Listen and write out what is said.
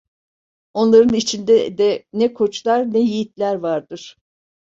Onların içinde de ne koçlar, ne yiğitler vardır.